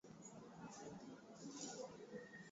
Wakati hakuna ushahidi wa kuaminika wa tishio la usalama ambalo